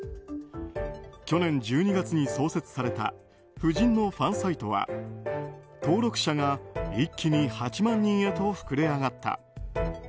去年１２月に創設された夫人のファンサイトは登録者が一気に８万人へと膨れ上がった。